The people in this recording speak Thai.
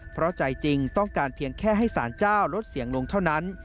เพราะใจจริงต้องการเพียงแค่ให้สารเจ้าลดเสียงลงเท่านั้น